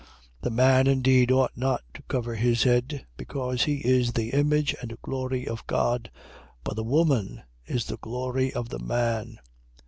11:7. The man indeed ought not to cover his head: because he is the image and glory of God. But the woman is the glory of the man.